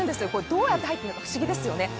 どうやって入ったのか不思議ですよね。